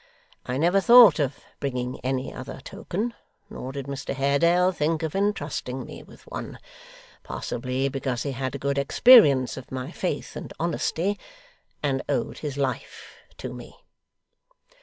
I never thought of bringing any other token, nor did Mr Haredale think of entrusting me with one possibly because he had good experience of my faith and honesty, and owed his life to me.